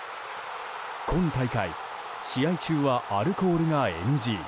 今大会、試合中はアルコールがＮＧ。